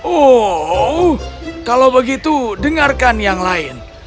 oh kalau begitu dengarkan yang lain